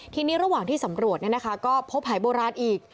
ทีนี้ระหว่างที่สำรวจเนี่ยนะคะก็พบอายโบราช